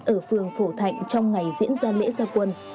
ở phường phổ thạnh trong ngày diễn ra lễ gia quân